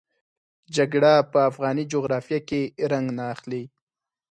جګړه په افغاني جغرافیه کې رنګ نه اخلي.